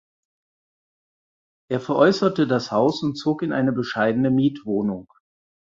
Er veräußerte das Haus und zog in eine bescheidene Mietwohnung.